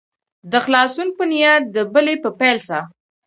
د خلاصون په نیت دبلي په پیل سه.